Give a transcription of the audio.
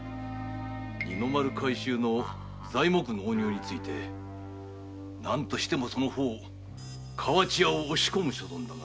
二の丸改修の材木の納入については何としてもその方河内屋をおしこむ所存だが。